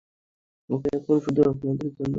ওকে, এখন শুধু আপনাদের জন্য অপেক্ষা।